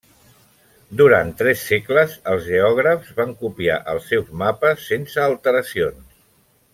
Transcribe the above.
Durant tres segles els geògrafs van copiar els seus mapes sense alteracions.